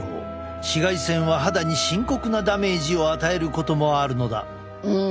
紫外線は肌に深刻なダメージを与えることもあるのだ。